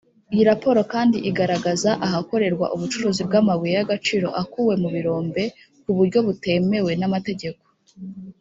Iyi raporo kandi igaragaza ahakorerwa ubucuruzi bw’amabuye y’agaciro akuwe mu birombe ku buryo butemewe n’amategeko